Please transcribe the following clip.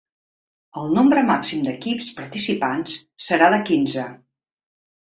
El nombre màxim d’equips participants serà de quinze.